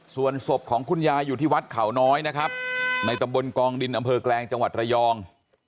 ส่วนศพของคุณยายอยู่ที่วัดเขาน้อยนะครับในตำบลกองดินอำเภอแกลงจังหวัดระยอง